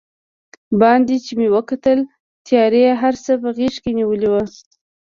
باندې چې مې وکتل، تیارې هر څه په غېږ کې نیولي و.